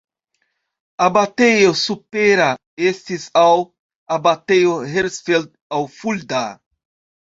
Abatejo supera estis aŭ Abatejo Hersfeld aŭ Fulda.